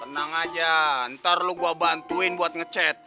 tenang aja ntar lu gue bantuin buat ngecet